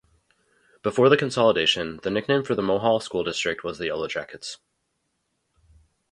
Before the consolidation, the nickname for the Mohall school district was the Yellowjackets.